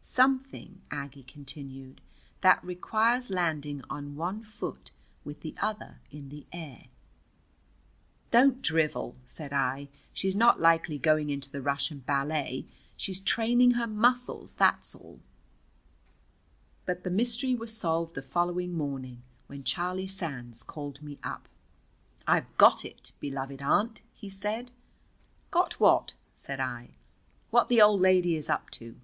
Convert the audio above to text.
"Something," Aggie continued, "that requires landing on one foot with the other in the air." "Don't drivel," said I. "She's not likely going into the Russian ballet. She's training her muscles, that's all." But the mystery was solved the following morning when Charlie Sands called me up. "I've got it, beloved aunt," he said. "Got what?" said I. "What the old lady is up to.